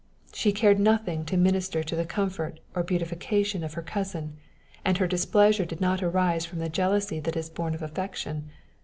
She cared nothing to minister to the comfort or beautification of her cousin, and her displeasure did not arise from the jealousy that is born of affection.